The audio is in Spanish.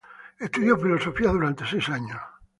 Estudió filosofía durante seis años.